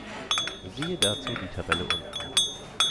Siehe dazu die Tabelle unten.